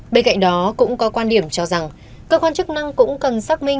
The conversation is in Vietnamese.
bên cạnh đó cũng có quan điểm cho rằng cơ quan chức năng cũng cần xác minh ai là người phát tán video này